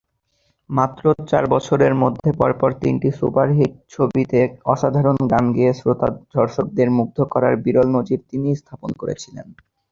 মাত্র চার বছরের মধ্যে পর পর তিনটি সুপারহিট ছবিতে অসাধারণ গান গেয়ে শ্রোতা-দর্শকদের মুগ্ধ করার বিরল নজির তিনিই স্থাপন করেছিলেন।